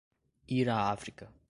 ir a África